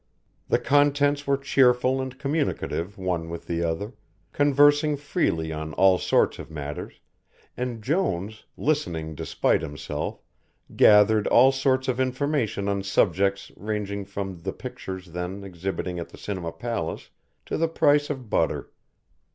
The contents were cheerful and communicative one with the other, conversing freely on all sorts of matters, and Jones, listening despite himself, gathered all sorts of information on subjects ranging from the pictures then exhibiting at the cinema palace, to the price of butter.